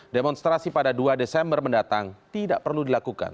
demonstrasi pada dua desember mendatang tidak perlu dilakukan